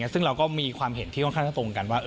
ซึ่งเราก็มีความเห็นที่ค่อนข้างจะตรงกันว่า